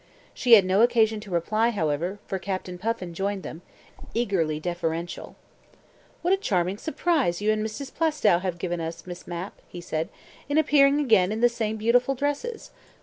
She had no occasion to reply, however, for Captain Puffin joined them, eagerly deferential. "What a charming surprise you and Mrs. Plaistow have given us, Miss Mapp," he said, "in appearing again in the same beautiful dresses.